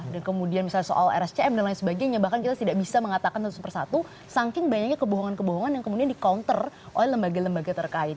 dan kemudian misalnya soal rscm dan lain sebagainya bahkan kita tidak bisa mengatakan satu persatu saking banyaknya kebohongan kebohongan yang kemudian di counter oleh lembaga lembaga terkait